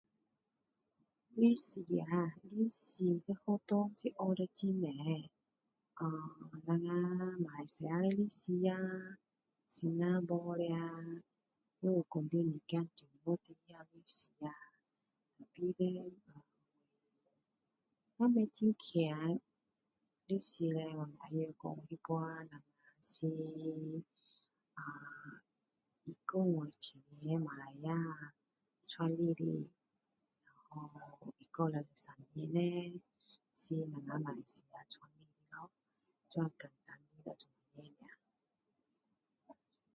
历史啊历史在学校是学到很多像我们马来西亚的历史新加坡的啊还有讲到一点英国的历史但是没有很厉害历史叻那时是1957年马来亚创立的然后1963年是我们马来西亚…unclear